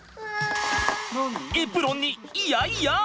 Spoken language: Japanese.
エプロンにイヤイヤ！